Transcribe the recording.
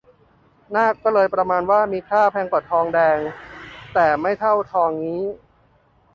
นากก็เลยประมาณว่ามีค่า แพงกว่าทองแดงแต่ไม่เท่าทองงี้